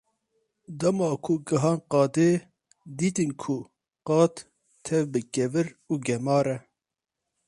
Dema ku gihan qadê, dîtin ku qad tev bi kevir û gemar e.